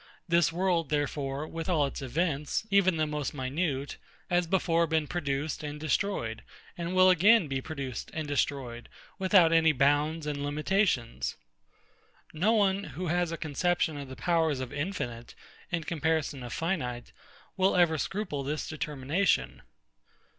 This world, therefore, with all its events, even the most minute, has before been produced and destroyed, and will again be produced and destroyed, without any bounds and limitations. No one, who has a conception of the powers of infinite, in comparison of finite, will ever scruple this determination.